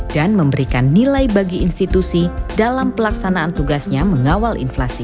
dan memberikan nilai bagi institusi dalam pelaksanaan tugasnya mengawal inflasi